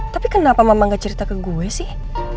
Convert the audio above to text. tapi kenapa mama gak cerita ke gue sih